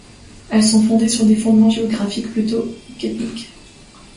Elles sont fondées sur des fondements géographiques plutôt qu'ethniques.